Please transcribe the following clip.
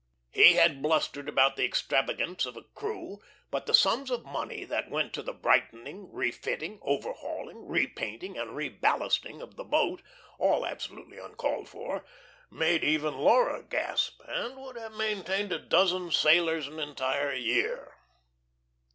He had blustered about the extravagance of a "crew," but the sums of money that went to the brightening, refitting, overhauling, repainting, and reballasting of the boat all absolutely uncalled for made even Laura gasp, and would have maintained a dozen sailors an entire year.